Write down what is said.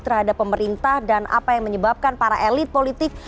terhadap pemerintah dan apa yang menyebabkan para elit politik